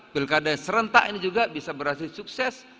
pilkada serentak ini juga bisa berhasil sukses